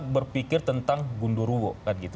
berpikir tentang gundurwo